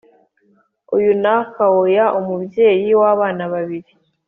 uyu nakawooya n’umubyeyi w’abana babiri